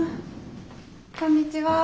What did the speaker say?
こんにちは。